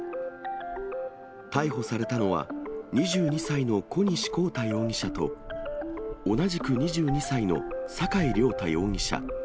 逮捕されたのは、２２歳の小西昂太容疑者と、同じく２２歳の酒井亮太容疑者。